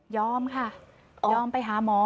ค่ะยอมไปหาหมอ